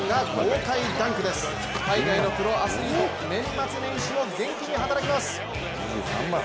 海外のプロアスリート年末年始も元気に働きます。